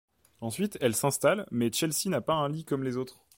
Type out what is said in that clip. Ensuite elles s'installent mais Chelsea n'a pas un lit comme les autres.